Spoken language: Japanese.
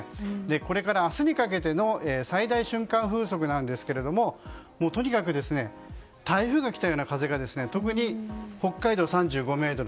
これから明日にかけての最大瞬間風速なんですがとにかく台風が来たような風が特に北海道３５メートル